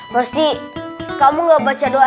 pasti kamu gak baca doa ya